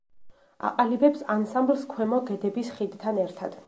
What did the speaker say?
აყალიბებს ანსამბლს ქვემო გედების ხიდთან ერთად.